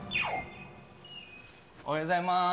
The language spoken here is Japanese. おはようございます。